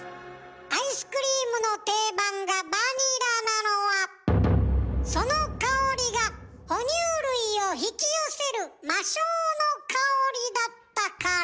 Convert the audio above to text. アイスクリームの定番がバニラなのはその香りが哺乳類を引き寄せる魔性の香りだったから。